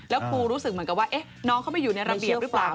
แล้วครูรู้สึกเหมือนกับว่าน้องเขาไม่อยู่ในระเบียบหรือเปล่า